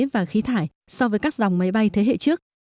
và khí thải so với các dòng máy bay thế hệ trước